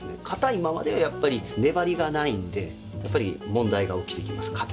硬いままではやっぱり粘りがないんでやっぱり問題が起きてきます。